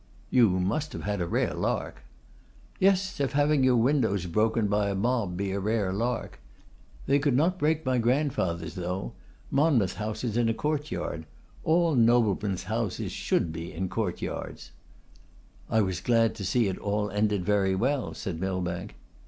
'You must have had a rare lark.' 'Yes, if having your windows broken by a mob be a rare lark. They could not break my grandfather's, though. Monmouth House is in a court yard. All noblemen's houses should be in court yards.' 'I was glad to see it all ended very well,' said Millbank.